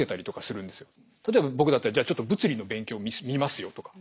例えば僕だったらじゃあちょっと物理の勉強を見ますよとか。